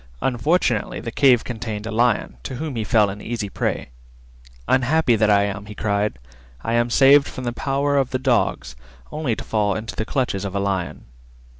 Unfortunately the cave contained a Lion, to whom he fell an easy prey. "Unhappy that I am," he cried, "I am saved from the power of the dogs only to fall into the clutches of a Lion."